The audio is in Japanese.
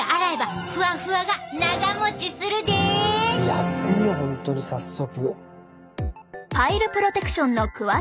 やってみよう本当に早速。